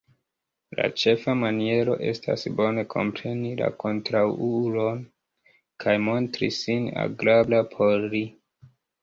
La ĉefa maniero estas bone kompreni la kontraŭulon kaj montri sin agrabla por li.